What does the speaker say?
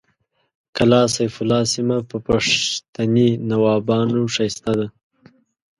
کلا سیف الله سیمه په پښتني نوابانو ښایسته ده